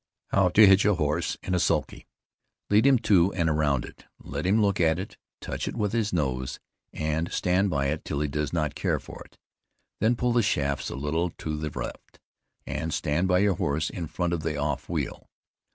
HOW TO HITCH A HORSE IN A SULKY. Lead him to and around it; let him look at it, touch it with his nose, and stand by it till he does not care for it; then pull the shafts a little to the left, and stand by your horse in front of the off wheel.